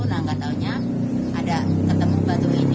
nah nggak tahunya ada ketemu batu ini